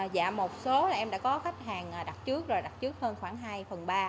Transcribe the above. dạ một số là em đã có khách hàng đặt trước rồi đặt trước hơn khoảng hai phần ba